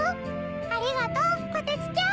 ありがとうこてつちゃん！